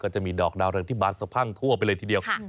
ก็จะมีดอกดาวที่บานสะพรั่งทั่วไปเลยทีเดียวค่ะ